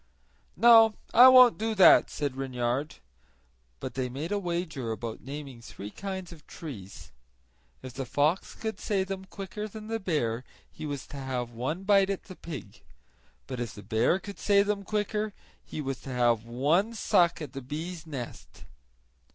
"No, I won't do that," said Reynard. But they made a wager about naming three kinds of trees. If the fox could say them quicker than the bear he was to have one bite at the pig; but if the bear could say them quicker he was to have one suck at the bee's nest.